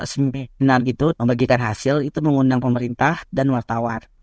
semenar membagikan hasil mengundang pemerintah dan wartawan